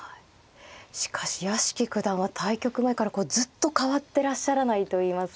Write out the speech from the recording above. しかし屋敷九段は対局前からこうずっと変わってらっしゃらないといいますか。